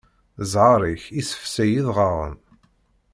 Zzheṛ-ik isefsay idɣaɣen.